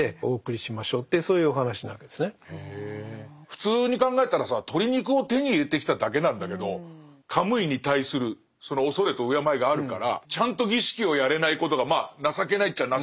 普通に考えたらさ鳥肉を手に入れてきただけなんだけどカムイに対する畏れと敬いがあるからちゃんと儀式をやれないことがまあ情けないっちゃ情けないんでしょうね。